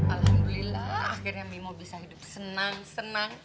alhamdulillah akhirnya mimo bisa hidup senang senang